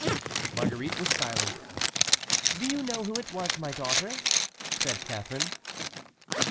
Marguerite was silent. "Do you know who it was, my daughter?" said Catharine.